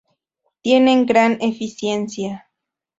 Tienen gran eficiencia.